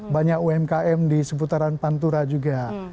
banyak umkm di seputaran pantura juga